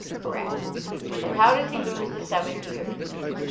Correct ; and how does he lose the seven years